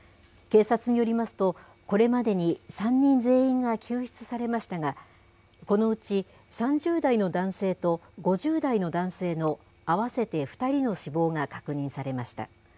警察によりますと、これまでに３人全員が救出されましたが、このうち３０代の男性と５０代の男性の合わせて２人の死亡が確認されました。